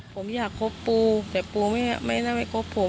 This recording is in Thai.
ผมอยากคบปูแต่ปูไม่น่าไม่คบผม